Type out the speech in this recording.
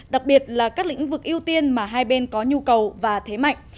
đặc biệt là các lĩnh vực ưu tiên mà hai bên có nhu cầu và thế mạnh